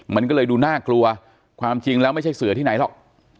มันก็เลยดูน่ากลัวความจริงแล้วไม่ใช่เสือที่ไหนหรอก